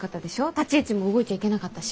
立ち位置も動いちゃいけなかったし。